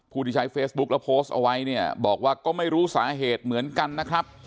ผู้ที่ใช้เฟซบุ๊คแล้วโพสต์เอาไว้เนี่ยบอกว่าก็ไม่รู้สาเหตุเหมือนกันนะครับ